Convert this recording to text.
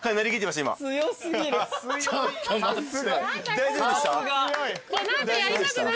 大丈夫でした？